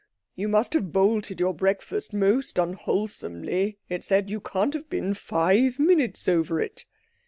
"You must have bolted your breakfast most unwholesomely," it said, "you can't have been five minutes over it."